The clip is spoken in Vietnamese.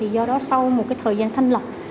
do đó sau một thời gian thanh lọc